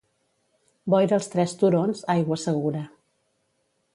Boira als Tres Turons, aigua segura.